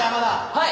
はい！